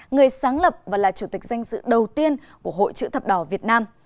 người sáng lập và là chủ tịch danh dự đầu tiên của hội chữ thập đỏ việt nam